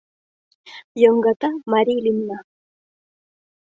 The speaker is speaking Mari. Йоҥгата марий лӱмна.